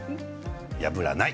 破らない。